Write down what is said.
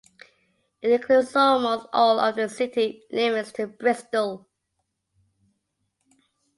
It includes almost all of the city limits of Bristol.